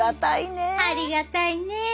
ありがたいねえ。